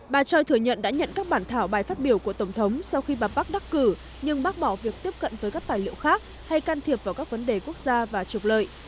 bà chơi thừa nhận đã nhận các bản thảo bài phát biểu của tổng thống sau khi bà park đắc cử nhưng bác bỏ việc tiếp cận với các tài liệu khác hay can thiệp vào các vấn đề quốc gia và trục lợi